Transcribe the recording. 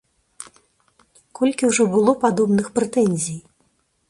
Колькі ўжо было падобных прэтэнзій.